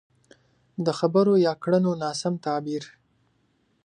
د خبرو يا کړنو ناسم تعبير.